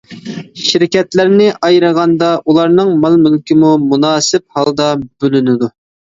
شىركەتلەرنى ئايرىغاندا، ئۇلارنىڭ مال-مۈلكىمۇ مۇناسىپ ھالدا بۆلۈنىدۇ.